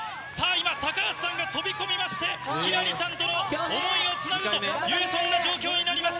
今、高橋さんが飛び込みまして、輝星ちゃんとの思いをつなぐと、そんな状況になります。